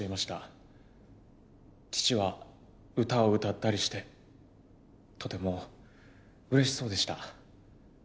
父は歌を歌ったりしてとてもうれしそうでした。